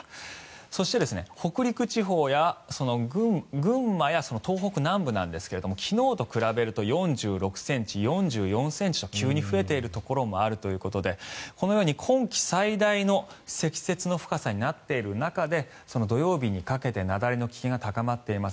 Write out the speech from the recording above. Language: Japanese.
そして、北陸地方や群馬や東北南部なんですが昨日と比べると４６ｃｍ４４ｃｍと急に増えているところもあるということでこのように今季最大の積雪の深さになっている中でその土曜日にかけて雪崩の危険が高まっています。